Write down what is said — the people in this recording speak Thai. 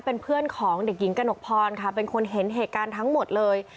เป็นเพื่อนของเด็กหญิงกระหนกพรค่ะเป็นคนเห็นเหตุการณ์ทั้งหมดเลย